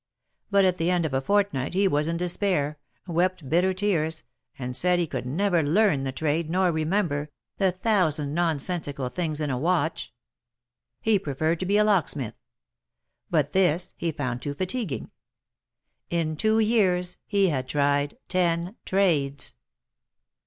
But at the end of a fortnight, he was in despair, wept bit ter tears, and said he could never learn the trade, nor remember ^Hhe thousand nonsensical things in a watch." He preferred to be a locksmith ; but this he found too fatiguing. In two years he had tried ten trades.